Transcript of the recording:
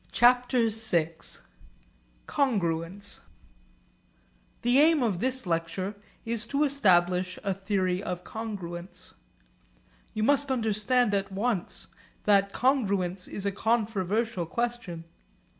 CHAPTER VI CONGRUENCE The aim of this lecture is to establish a theory of congruence. You must understand at once that congruence is a controversial question.